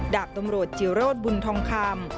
ดาบตำรวจจิโรธบุญทองคำ